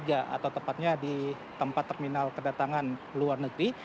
atau tepatnya di tempat terminal kedatangan luar negeri